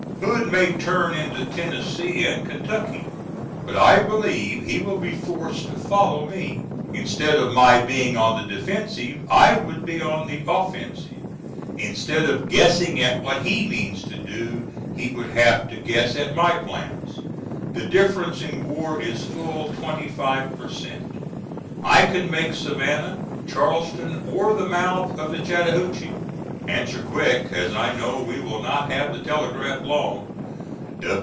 Hood may turn into Tennessee and Kentucky, but I believe he will be forced to follow me. Instead of my being on the defensive, I would be on the offensive; instead of guessing at what he means to do, he would have to guess at my plans. The difference in war is full twenty five per cent. I can make Savannah, Charleston, or the mouth of the Chattahoochee. "Answer quick, as I know we will not have the telegraph long.